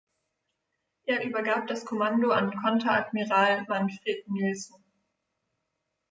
Er übergab das Kommando an Konteradmiral Manfred Nielson.